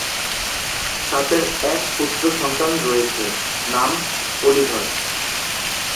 তাদের এক পুত্র সন্তান রয়েছে, নাম অলিভার।